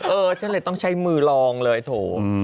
เออฉันเลยต้องใช้มือลองเลยโถ